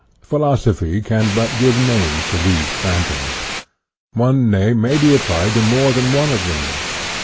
Philosophy can but give names to ttiese phantoms. One name may be applied to more than one of them.